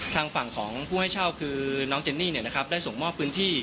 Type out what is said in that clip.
ทางฝั่งของผู้ให้เช่าคือน้องเจนนี่ได้ส่งมอบพื้นที่